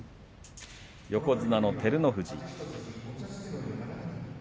横綱の照ノ富士。